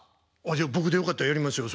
僕でよかったらやりますよそれは。